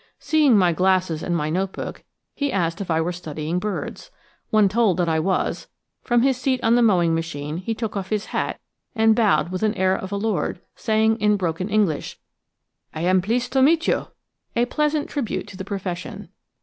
Seeing my glasses and note book, he asked if I were studying birds. When told that I was, from his seat on the mowing machine he took off his hat and bowed with the air of a lord, saying in broken English, "I am pleased to meet you!" a pleasant tribute to the profession.